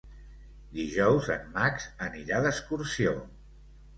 Dijous en Max anirà d'excursió.